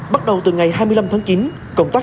bắt đầu từ ngày hai mươi năm tháng chín công tác